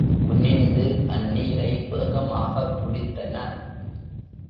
குனிந்து, அந்நீரை வேகமாகக் குடித்தன.